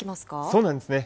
そうなんですね。